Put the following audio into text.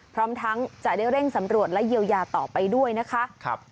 พร้อมทั้งจะได้เร่งสำรวจและเยียวยาต่อไปด้วยนะคะ